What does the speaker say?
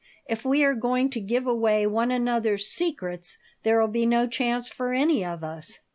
"If we are going to give away one another's secrets there'll be no chance for any of us."